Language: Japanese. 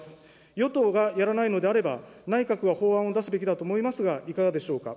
与党がやらないのであれば、内閣が法案を出すべきだと思いますが、いかがでしょうか。